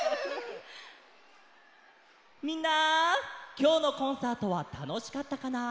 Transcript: きょうのコンサートはたのしかったかな？